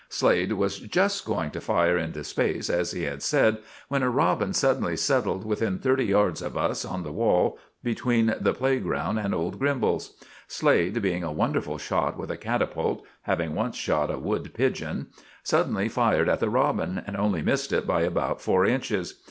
Slade was just going to fire into space, as he had said, when a robin suddenly settled within thirty yards of us, on the wall between the playground and old Grimbal's. Slade being a wonderful shot with a catapult (having once shot a wood pigeon), suddenly fired at the robin, and only missed it by about four inches.